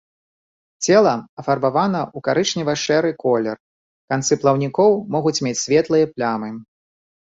Цела афарбавана ў карычнева-шэры колер, канцы плаўнікоў могуць мець светлыя плямы.